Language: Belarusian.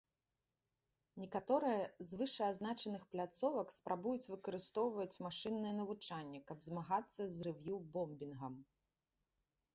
Некаторыя з вышэазначаных пляцовак спрабуюць выкарыстоўваць машыннае навучанне, каб змагацца з рэв'ю-бомбінгам.